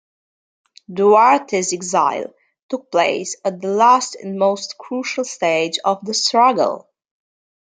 Duarte's exile took place at the last and most crucial stage of the struggle.